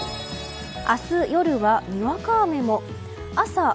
明日夜は、にわか雨も。